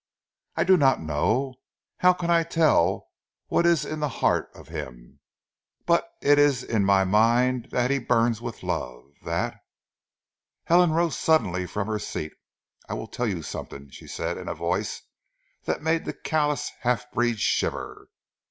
"I not know! How can I tell what ees in zee heart of heem? But it ees in my mind dat he burns with love, dat " Helen rose suddenly from her seat. "I will tell you something," she said in a voice that made the callous half breed shiver.